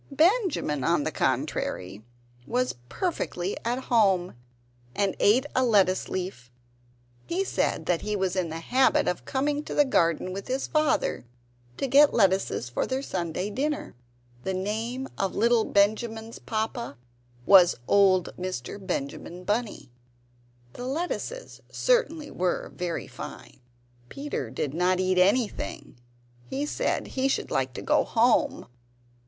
Benjamin, on the contrary, was perfectly at home, and ate a lettuce leaf. He said that he was in the habit of coming to the garden with his father to get lettuces for their Sunday dinner. (The name of little Benjamin's papa was old Mr. Benjamin Bunny.) The lettuces certainly were very fine. Peter did not eat anything; he said he should like to go home.